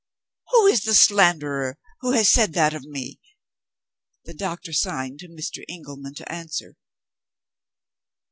Who is the slanderer who has said that of me?' The doctor signed to Mr. Engelman to answer.